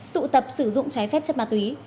tụ tập sử dụng trái phép chất ma túy